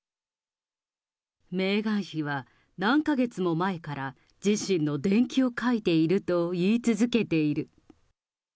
メーガン妃は何か月も前から、自身の伝記を書いていると言い続けている。